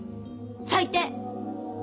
最低！